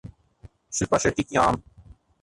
شلپا شیٹھی کی ام